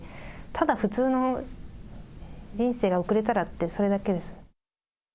ただ普通の人生が送れたらって、それだけです。